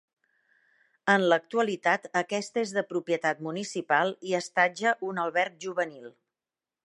En l'actualitat aquesta és de propietat municipal i estatja un alberg juvenil.